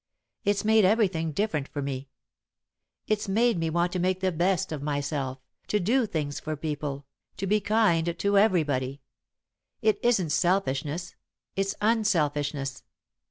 It's made everything different for me. It's made me want to make the best of myself, to do things for people, to be kind to everybody. It isn't selfishness it's unselfishness.